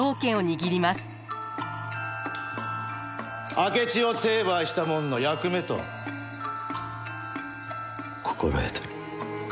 明智を成敗したもんの役目と心得とる。